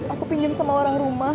aku pinjem sama warah rumah